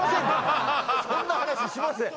そんな話しません